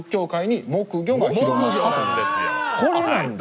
これなんだ。